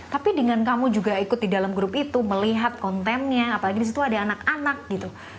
tapi dengan kamu juga ikut di dalam grup itu melihat kontennya apalagi disitu ada anak anak gitu